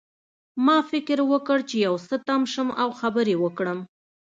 ما فکر وکړ چې یو څه تم شم او خبرې وکړم